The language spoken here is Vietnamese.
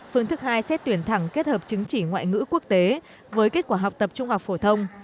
phương thức hai xét tuyển thẳng kết hợp chứng chỉ ngoại ngữ quốc tế với kết quả học tập trung học phổ thông